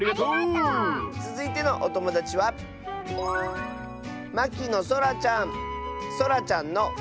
つづいてのおともだちはそらちゃんの。